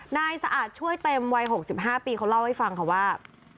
นายสะอาดช่วยเต็มวัย๖๕ปีเขาเล่าให้ฟังค่ะว่า